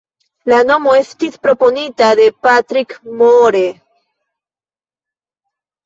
La nomo estis proponita de Patrick Moore.